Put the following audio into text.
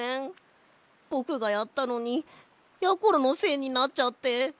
ぼくがやったのにやころのせいになっちゃって。